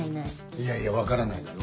いやいや分からないだろ？